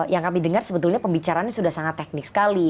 yang kami dengar sebetulnya pembicaraannya sudah sangat teknik sekali